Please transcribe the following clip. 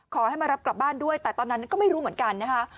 ขอให้มารับกลับบ้านด้วยแต่ตอนนั้นก็ไม่รู้เหมือนกันนะคะ